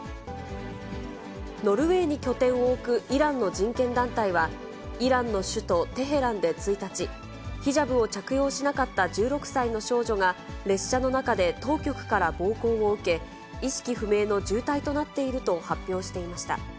ノルウェーに拠点を置くイランの人権団体は、イランの首都テヘランで１日、ヒジャブを着用しなかった１６歳の少女が、列車の中で当局から暴行を受け、意識不明の重体となっていると発表していました。